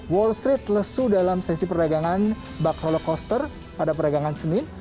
wall street lesu dalam sesi peragangan buck roller coaster pada peragangan senin